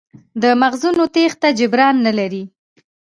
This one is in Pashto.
د مغزونو تېښته جبران نه لري.